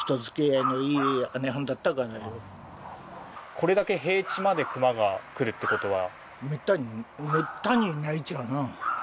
これだけ平地までクマが来るってことは。